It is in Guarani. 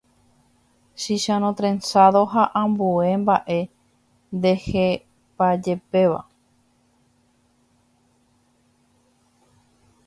Chicharõ trenzado ha ambue mba'e ndehepajepéva